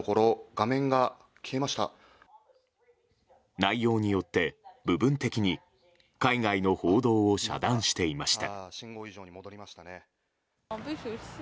内容によって部分的に海外の報道を遮断していました。